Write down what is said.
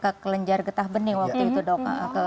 sampai ke kelenjar getah bening waktu itu dok